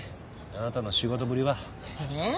あなたの仕事ぶりは。えっ？